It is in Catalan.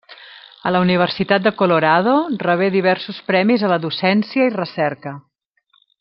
A la universitat de Colorado rebé diversos premis a la docència i recerca.